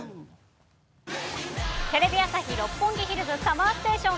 テレビ朝日・六本木ヒルズＳＵＭＭＥＲＳＴＡＴＩＯＮ。